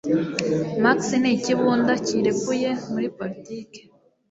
Max ni ikibunda kirekuye muri politiki